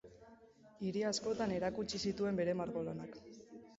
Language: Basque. Hiri askotan erakutsi zituen bere margolanak.